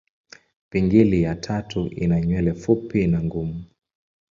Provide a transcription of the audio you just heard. Pingili ya tatu ina nywele fupi na ngumu.